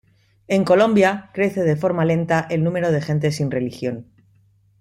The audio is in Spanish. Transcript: En Colombia crece de forma lenta el número de gente sin religión.